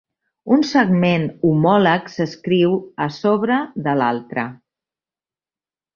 Un segment homòleg s"escriu a sobre de l"altre.